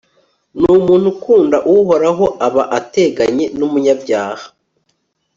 n'umuntu ukunda uhoraho aba ateganye n'umunyabyaha